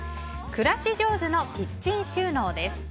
暮らし上手のキッチン収納です。